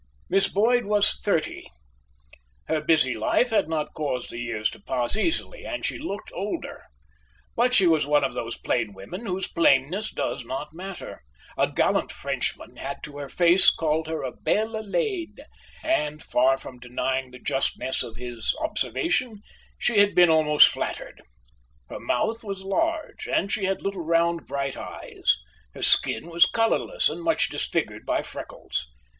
Miss Boyd was thirty. Her busy life had not caused the years to pass easily, and she looked older. But she was one of those plain women whose plainness does not matter. A gallant Frenchman had to her face called her a belle laide, and, far from denying the justness of his observation, she had been almost flattered. Her mouth was large, and she had little round bright eyes. Her skin was colourless and much disfigured by freckles.